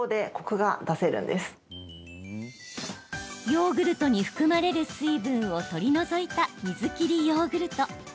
ヨーグルトに含まれる水分を取り除いた水切りヨーグルト。